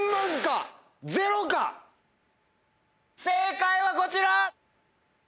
正解はこちら！